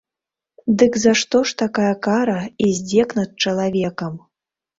Дык за што ж такая кара і здзек над чалавекам?